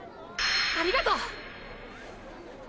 ありがとう！！